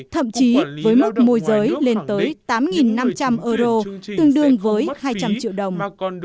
thậm chí với mức môi giới lên tới tám năm trăm linh euro tương đương với hai trăm linh triệu đồng